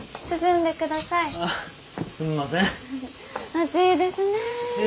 暑いですねえ。